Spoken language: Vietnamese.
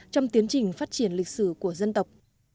trong tiến trình phát triển lịch sử của dân tộc